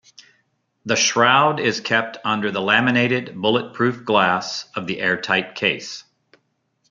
The shroud is kept under the laminated bulletproof glass of the airtight case.